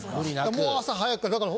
もう朝早くから。